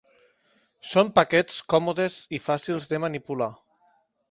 Són paquets còmodes i fàcils de manipular.